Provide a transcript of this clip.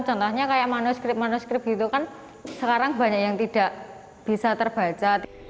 contohnya kayak manuskrip manuskrip gitu kan sekarang banyak yang tidak bisa terbaca